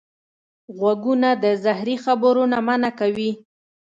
غوږونه د زهري خبرو نه منع کوي